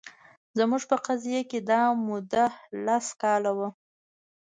زموږ په قضیه کې دا موده لس کاله وه